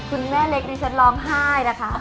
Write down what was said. คุณแม่เล็กดิฉันร้องไห้นะคะ